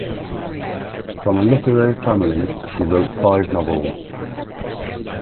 From a literary family, she wrote five novels.